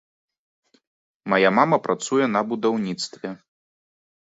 Мая мама працуе на будаўніцтве.